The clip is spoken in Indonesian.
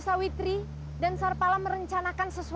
sawitri dengarkan aku dulu